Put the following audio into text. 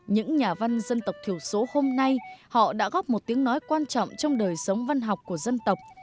những nhà văn dân tộc thiểu số hôm nay họ đã góp một tiếng nói quan trọng trong đời sống văn học của dân tộc